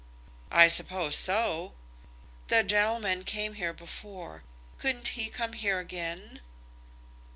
"I suppose so." "The gentleman came here before. Couldn't he come here again?"